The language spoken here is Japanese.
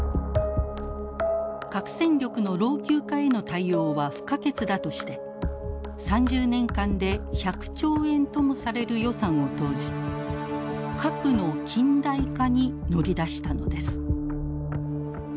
核戦力の老朽化への対応は不可欠だとして３０年間で１００兆円ともされる予算を投じ核の近代化に乗り出したのです。